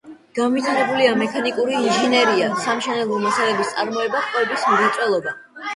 განვითარებულია მექანიკური ინჟინერია, სამშენებლო მასალების წარმოება, კვების მრეწველობა.